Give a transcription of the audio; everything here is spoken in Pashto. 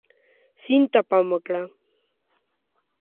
سیند ته پام وکړه.